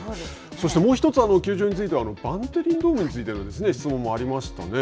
そしてもうひとつ、球場についてはバンテリンドームについての質問もありましたね。